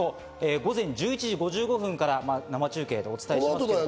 午前１１時５５分から生中継でお伝えします。